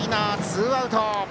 ツーアウト。